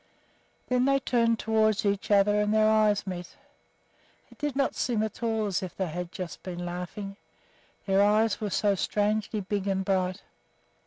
Then they turned toward each other and their eyes met. It did not seem at all as if they had just been laughing, their eyes were so strangely big and bright.